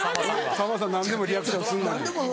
さんまさん何でもリアクションすんのに。